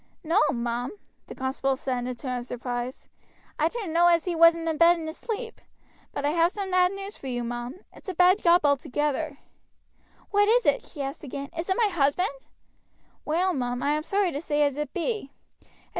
"No, mum," the constable said in a tone of surprise, "I didn't know as he wasn't in bed and asleep, but I have some bad news for you, mum; it's a bad job altogether." "What is it?" she asked again; "is it my husband?" "Well, mum, I am sorry to say as it be.